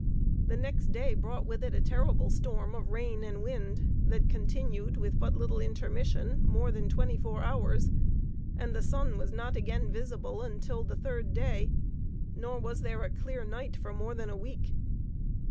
The next day brought with it a terrible storm of rain and wind, that continued with but little intermission, more than twenty four hours, and the sun was not again visible until the third day; nor was there a clear night for more than a week.